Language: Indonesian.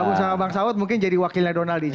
gabung sama bang sawot mungkin jadi wakilnya donald di jv